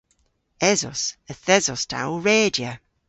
Esos. Yth esos ta ow redya.